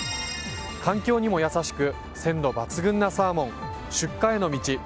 環境にも優しく鮮度抜群なサーモン出荷への道。